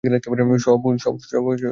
সব উনি করেছে।